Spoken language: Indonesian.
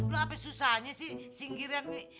lo apa susahnya sih singkirin nih